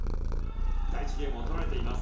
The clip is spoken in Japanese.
第１ゲームを取られています。